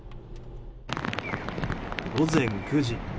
午前９時。